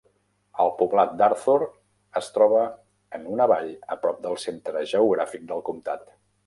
El poblat d'Arthur es troba en una vall a prop del centre geogràfic del comptat.